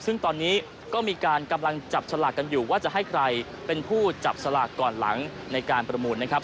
ซึ่งตอนนี้ก็มีการกำลังจับฉลากกันอยู่ว่าจะให้ใครเป็นผู้จับสลากก่อนหลังในการประมูลนะครับ